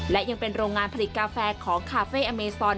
และยังเป็นโรงงานผลิตกาแฟของคาเฟ่อเมซอน